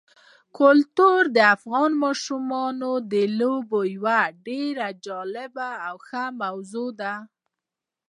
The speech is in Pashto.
کلتور د افغان ماشومانو د لوبو یوه ډېره جالبه او ښه موضوع ده.